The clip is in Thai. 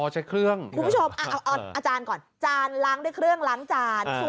ใช้เครื่องคุณผู้ชมเอาอาจารย์ก่อนจานล้างด้วยเครื่องล้างจาน